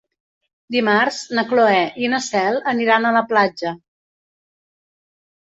Dimarts na Cloè i na Cel aniran a la platja.